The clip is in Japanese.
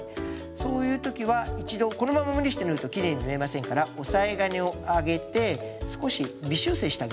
そういう時は一度このまま無理して縫うときれいに縫えませんから押さえ金を上げて少し微修正してあげましょう。